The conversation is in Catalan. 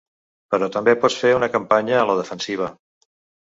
Però també pots fer una campanya “a la defensiva”.